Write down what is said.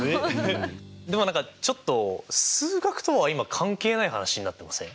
でも何かちょっと数学とは今関係ない話になってません？